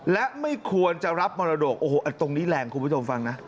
และไม่ควรจะรับมรดกโอ้โหตรงนี้แรงคุณผู้ชมฟังนะ